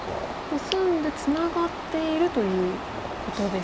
コスんでツナがっているということですか。